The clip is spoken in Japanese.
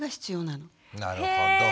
なるほど。